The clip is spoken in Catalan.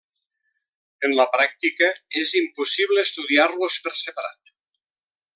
En la pràctica és impossible estudiar-los per separat.